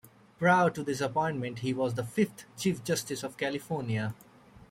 Prior to this appointment, he was the fifth Chief Justice of California.